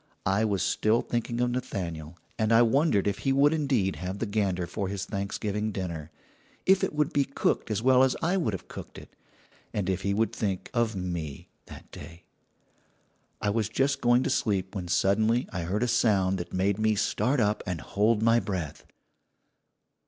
I was thinking of Nathaniel, and I wondered if he would indeed have the gander for his Thanksgiving dinner, if it would be cooked as well as I would have cooked it, and if he would think of me that day. "I was just going to sleep when suddenly I heard a sound that made me start up and hold my breath.